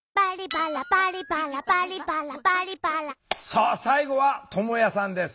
さあ最後はともやさんです。